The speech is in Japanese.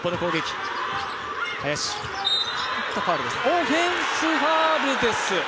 オフェンスファウルです。